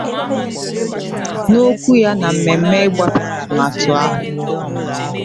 N'okwu ya na mmemme ịgbape atụmatụ ahụ